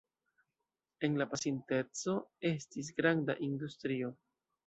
En la pasinteco estis granda industrio.